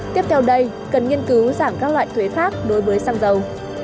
tiếp theo đây cần nghiên cứu giảm các loại thuế khác đối với xăng dầu